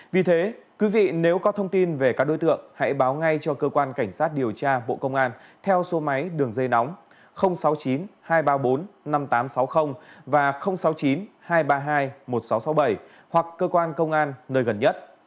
vì thế quý vị nếu có thông tin về các đối tượng hãy báo ngay cho cơ quan cảnh sát điều tra bộ công an theo số máy đường dây nóng sáu mươi chín hai trăm ba mươi bốn năm nghìn tám trăm sáu mươi và sáu mươi chín hai trăm ba mươi hai một nghìn sáu trăm sáu mươi bảy hoặc cơ quan công an nơi gần nhất